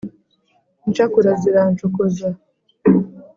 incakura zirancokoza